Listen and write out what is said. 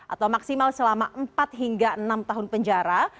atau maksimal selama empat hingga enam tahun penjara